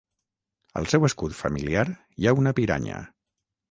Al seu escut familiar hi ha una piranya.